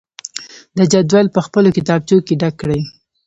د جدول په خپلو کتابچو کې ډک کړئ.